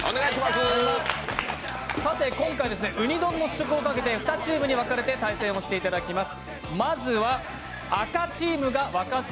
さて、今回、うに丼の試食をかけて２チームに分かれて対戦していただきます。